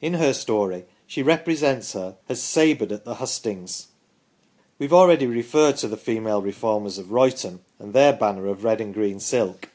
In her story she represents her as sabred at the hustings. We have already referred to the Female Reformers of Royton, and their banner of red and green silk.